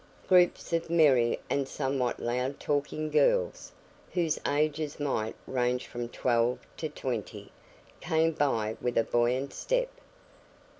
Groups of merry and somewhat loud talking girls, whose ages might range from twelve to twenty, came by with a buoyant step.